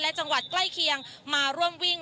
และจังหวัดใกล้เคียงมาร่วมวิ่ง